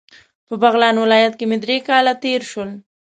په بغلان ولایت کې مې درې کاله تیر شول.